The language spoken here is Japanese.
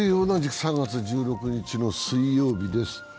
同じく３月１６日の水曜日です